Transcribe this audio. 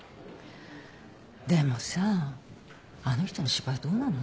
でもさあの人の芝居どうなの？